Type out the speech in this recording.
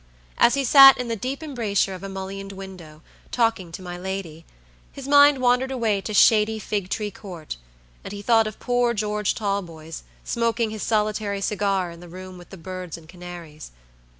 As he sat in the deep embrasure of a mullioned window, talking to my lady, his mind wandered away to shady Figtree Court, and he thought of poor George Talboys smoking his solitary cigar in the room with the birds and canaries.